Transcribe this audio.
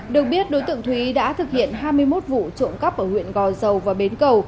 được biết đối tượng thúy đã thực hiện hai mươi một vụ trộm cắp ở huyện gò dầu và bến cầu